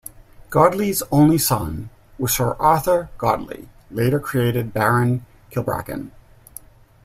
Godley's only son was Sir Arthur Godley, later created Baron Kilbracken.